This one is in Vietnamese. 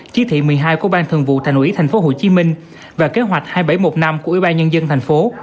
chí thị một mươi hai của bang thường vụ thành ủy tp hcm và kế hoạch hai nghìn bảy trăm một mươi năm của ủy ban nhân dân tp